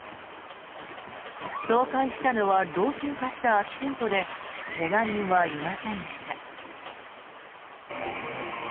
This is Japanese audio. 倒壊したのは老朽化した空き店舗で怪我人はいませんでした。